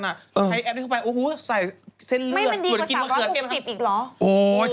ใช้แอปเข้าไปโอ้โหใส่เส้นเลือด